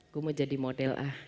gue mau jadi model a